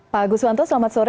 pak guswanto selamat sore